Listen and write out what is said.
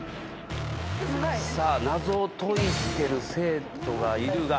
さあ謎を解いてる生徒がいるが。